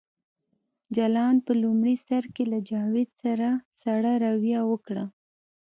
جلان په لومړي سر کې له جاوید سره سړه رویه وکړه